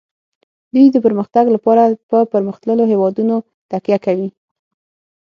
دوی د پرمختګ لپاره په پرمختللو هیوادونو تکیه کوي